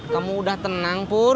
kamu udah tenang pur